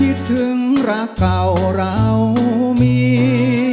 คิดถึงรักเก่าเรามี